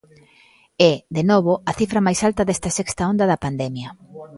É, de novo, a cifra máis alta desta sexta onda da pandemia.